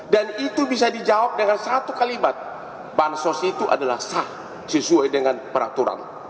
dan itu bisa dijawab dengan satu kalibat bansos itu adalah sah sesuai dengan peraturan